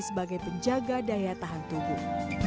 sebagai penjaga daya tahan tubuh